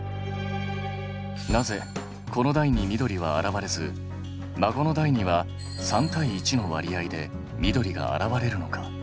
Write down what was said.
なぜ子の代に緑は現れず孫の代には３対１の割合で緑が現れるのか？